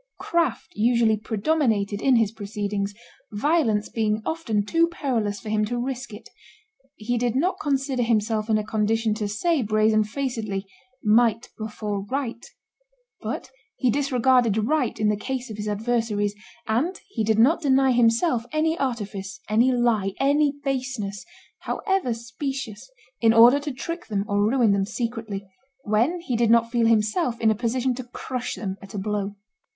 Craft usually predominated in his proceedings, violence being often too perilous for him to risk it; he did not consider himself in a condition to say brazen facedly, "Might before right;" but he disregarded right in the case of his adversaries, and he did not deny himself any artifice, any lie, any baseness, however specious, in order to trick them or ruin them secretly, when he did not feel himself in a position to crush them at a blow.